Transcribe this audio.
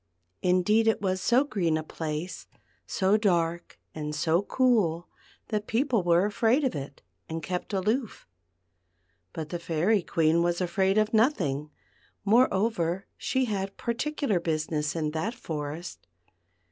Indeed it was so green a place, so dark and so cool, that people were afraid of it, and kept aloof But the Fairy Queen was afraid of nothing ; moreover she had particular business in that forest.